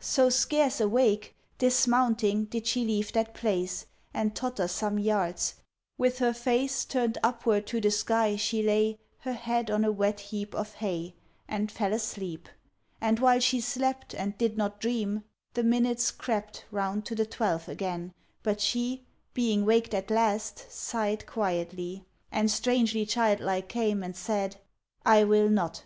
So, scarce awake, Dismounting, did she leave that place, And totter some yards: with her face Turn'd upward to the sky she lay, Her head on a wet heap of hay, And fell asleep: and while she slept, And did not dream, the minutes crept Round to the twelve again; but she, Being waked at last, sigh'd quietly, And strangely childlike came, and said: I will not.